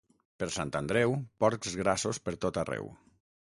Per Sant Andreu, porcs grassos pertot arreu.